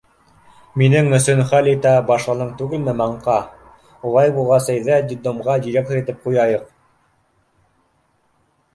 Минең өсөн хәл итә башланың түгелме, маңҡа? Улай булғас, әйҙә, детдомға директор итеп ҡуяйыҡ.